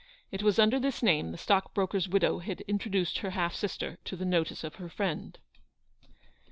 It was under this name the stockbroker's widow had introduced her half sister to the notice of her friend.